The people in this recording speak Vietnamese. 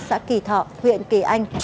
xã kỳ thọ huyện kỳ anh